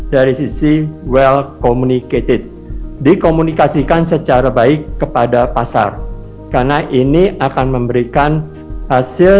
dari sisi well communicated dikomunikasikan secara baik kepada pasar karena ini akan memberikan hasil